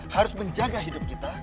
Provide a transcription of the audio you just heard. harus menjaga hidup kita